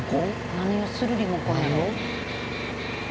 何をするリモコンやろ？